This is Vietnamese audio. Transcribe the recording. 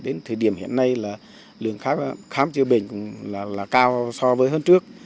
đến thời điểm hiện nay là lượng khám chữa bệnh cũng là cao so với hơn trước